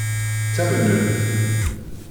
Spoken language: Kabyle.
Ttamnen-t?